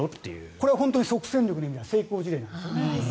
これは本当に即戦力の成功事例なんですよね。